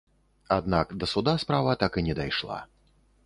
Аднак да суда справа так і не дайшла.